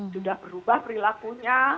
sudah berubah perilakunya